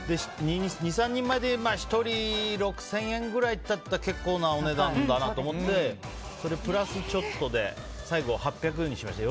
２３人前で１人６０００円くらいだと結構なお値段だなと思ってプラスちょっとで最後、８００円にしました。